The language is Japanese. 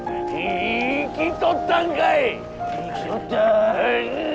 生きとった。